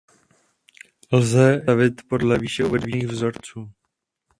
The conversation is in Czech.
Lze je sestavit podle výše uvedených vzorců.